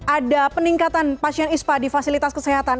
ada peningkatan pasien ispa di fasilitas kesehatan